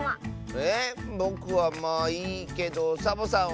えぼくはまあいいけどサボさんは？